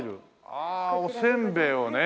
ああおせんべいをね！